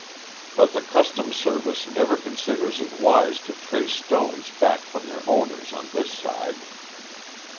But the Customs Service never considers it wise to trace stones back from their owners on this side.